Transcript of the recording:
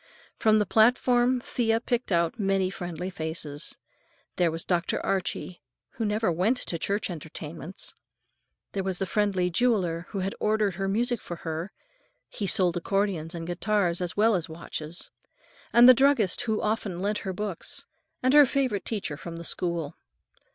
From the platform Thea picked out many friendly faces. There was Dr. Archie, who never went to church entertainments; there was the friendly jeweler who ordered her music for her,—he sold accordions and guitars as well as watches,—and the druggist who often lent her books, and her favorite teacher from the school.